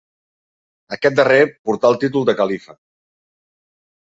Aquest darrer portà el títol de califa.